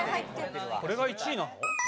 これが１位なの？